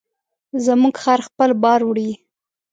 زموږ خر خپل بار وړي.